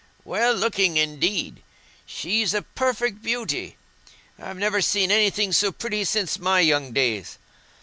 "Well looking, indeed! She's a perfect beauty! I've never seen anything so pretty since my young days.